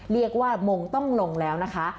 เรียกว่ามงต้องลงแล้วนะคะ